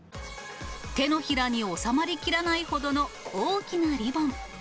手のひらに収まりきらないほどの大きなリボン。